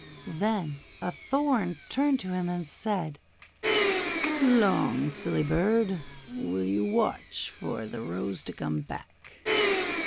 Then a Thorn turned to him, and said :— "How long, silly bird, will you watch for the Rose to come back?